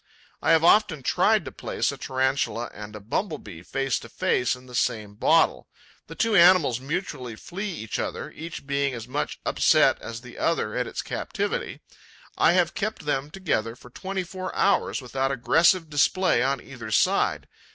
I have often tried to place a Tarantula and a Bumble bee face to face in the same bottle. The two animals mutually flee each other, each being as much upset as the other at its captivity. I have kept them together for twenty four hours, without aggressive display on either side.